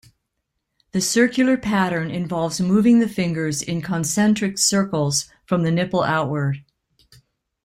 The circular pattern involves moving the fingers in concentric circles from the nipple outward.